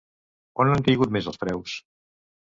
On han caigut més els preus?